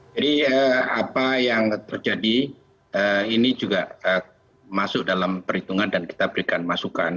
jadi apa yang terjadi ini juga masuk dalam perhitungan dan kita berikan masukan